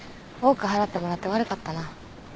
多く払ってもらって悪かったな。